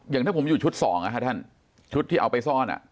อย่างถ้าผมอยู่ชุด๒ท่านชุดที่เอาไปซ่อน